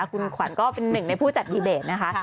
คุณขวัญก็เป็นหนึ่งในผู้จัดดีเบตนะคะ